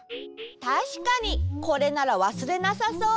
たしかにこれならわすれなさそう！